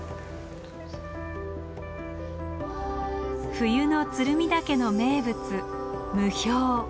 冬の鶴見岳の名物霧氷。